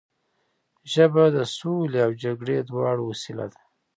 ژبه د سولې او جګړې دواړو وسیله ده